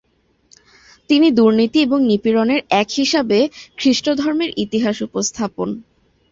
তিনি দুর্নীতি এবং নিপীড়নের এক হিসাবে খ্রিস্টধর্মের ইতিহাস উপস্থাপন।